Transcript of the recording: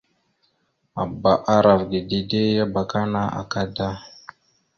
« Bba arav ge dide ya abakana akada! ».